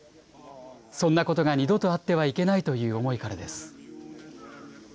そんなことが二度とあってはいけないという思いからです。